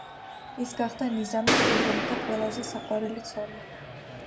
ის გახდა ნიზამის პირველი და ყველაზე საყვარელი ცოლი.